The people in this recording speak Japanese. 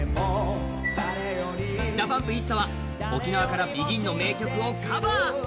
ＤＡＰＵＭＰ・ＩＳＳＡは沖縄からＢＥＧＩＮの名曲をカバー。